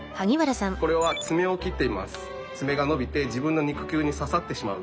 これは爪を切っています。